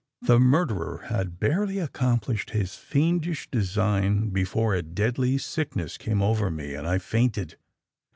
"The murderer had barely accomplished his fiendish design before a deadly sickness came over me, and I fainted.